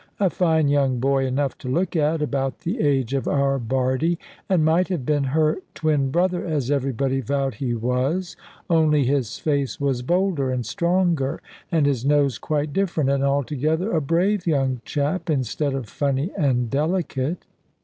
A fine young boy enough to look at, about the age of our Bardie, and might have been her twin brother, as everybody vowed he was, only his face was bolder and stronger, and his nose quite different, and altogether a brave young chap, instead of funny and delicate.